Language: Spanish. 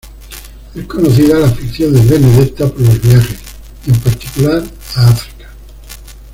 Es conocida la afición de Benedetta por los viajes, en particular a África.